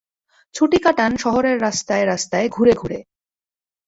ছুটি কাটান শহরের রাস্তায় রাস্তায় ঘুরে ঘুরে।